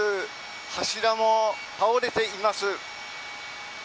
柱も倒れています。